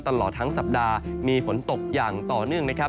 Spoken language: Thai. ตลอดทั้งสัปดาห์มีฝนตกอย่างต่อเนื่องนะครับ